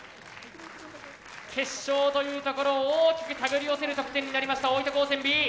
決勝というところを大きく手繰り寄せる得点になりました大分高専Ｂ。